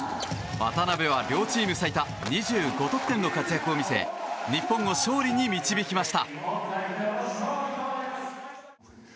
渡邉は、両チーム最多２５得点の活躍を見せ日本を勝利に導きました。